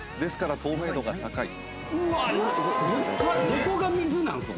どこが水なんすか？